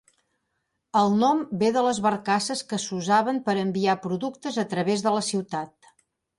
El nom ve de les barcasses que s'usaven per enviar productes a través de la ciutat.